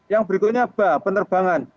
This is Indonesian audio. yang berikutnya penerbangan